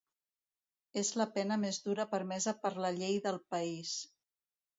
És la pena més dura permesa per la llei del país.